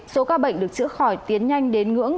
số ca bệnh được chữa khỏi tiến nhanh đến ngưỡng tám mươi